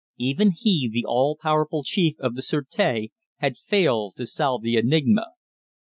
Even he, the all powerful chief of the sûreté, had failed to solve the enigma.